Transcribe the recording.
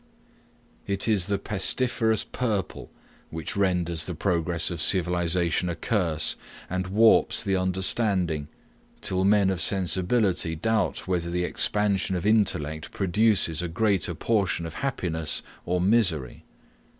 It is the pestiferous purple which renders the progress of civilization a curse, and warps the understanding, till men of sensibility doubt whether the expansion of intellect produces a greater portion of happiness or misery.